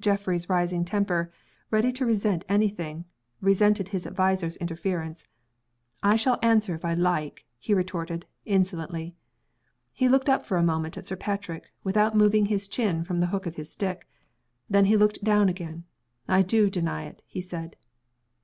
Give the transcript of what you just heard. Geoffrey's rising temper ready to resent any thing resented his adviser's interference. "I shall answer if I like," he retorted, insolently. He looked up for a moment at Sir Patrick, without moving his chin from the hook of his stick. Then he looked down again. "I do deny it," he said.